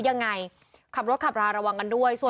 ยังไงขับรถขับราระวังกันด้วย